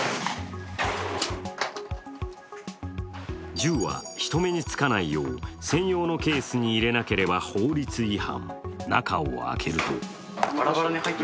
銃は人目につかないよう専用のケースに入れなければ法律違反。